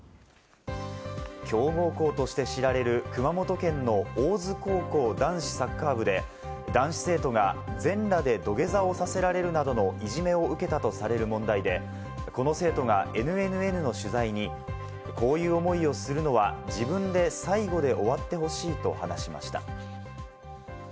強豪校として知られる熊本県の大津高校男子サッカー部で男子生徒が全裸で土下座をさせられるなどのいじめを受けたとされる問題で、この生徒がＮＮＮの取材に、こういう思いをするのは自分で最後で終わってほしいと話しました。